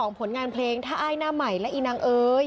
ผลงานเพลงถ้าอ้ายหน้าใหม่และอีนางเอ๋ย